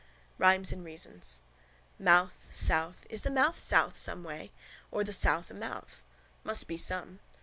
RHYMES AND REASONS Mouth, south. Is the mouth south someway? Or the south a mouth? Must be some.